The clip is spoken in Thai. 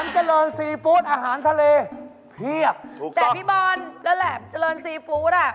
จะไปกินอาหารทะเลอยากกินซีฟูด